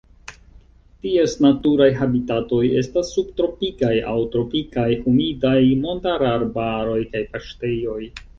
Ties naturaj habitatoj estas subtropikaj aŭ tropikaj humidaj montararbaroj kaj paŝtejoj.